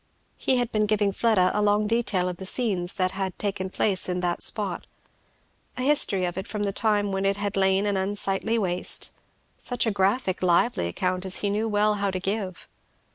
He had been giving Fleda a long detail of the scenes that had taken place in that spot a history of it from the time when it had lain an unsightly waste; such a graphic lively account as he knew well how to give.